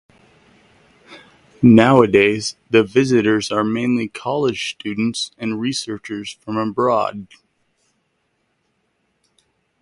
Nowadays the visitors are mainly college students and researchers from abroad.